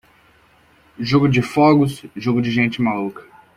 Jogo de fogos, jogo de gente maluca.